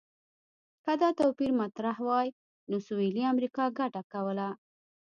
که دا توپیر مطرح وای، نو سویلي امریکا ګټه کوله.